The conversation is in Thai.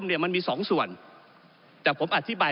ก็ได้มีการอภิปรายในภาคของท่านประธานที่กรกครับ